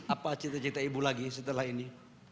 apa cita cita ibu lagi setelah ini